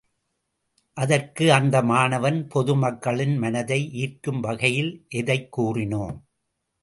அதற்கு அந்த மாணவன் பொது மக்களின் மனதை ஈர்க்கும் வகையில் எதைக் கூறினோம்?